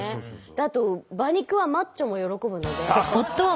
あと馬肉はマッチョも喜ぶので。